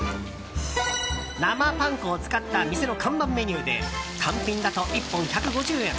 生パン粉を使った店の看板メニューで単品だと１本１５０円。